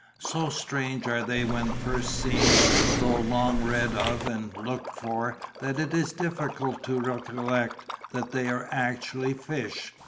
So strange are they when first seen, though long read of and looked for, that it is difficult to recollect that they are actually fish.